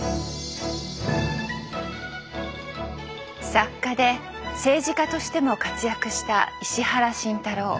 作家で政治家としても活躍した石原慎太郎。